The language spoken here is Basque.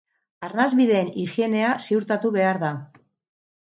Arnasbideen higienea ziurtatu behar da.